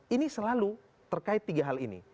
ini selalu terkait tiga hal ini